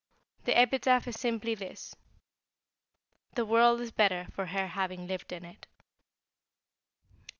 The epitaph is simply this: 'The world is better for her having lived in it.'"